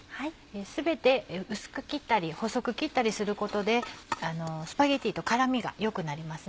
全て薄く切ったり細く切ったりすることでスパゲティと絡みが良くなります。